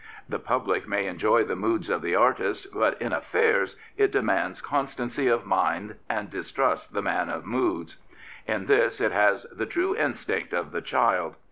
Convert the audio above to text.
The public may enjoy the moods of the artist, but in affairs it demands constancy of mind and distrusts the man of moods. In this it has the true instinct of the child.